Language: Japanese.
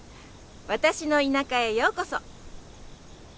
私の田舎へようこそ！